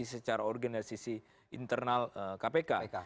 secara organisasi internal kpk